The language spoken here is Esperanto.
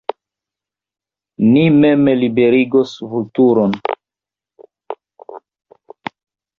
Ni mem liberigos Vulturon!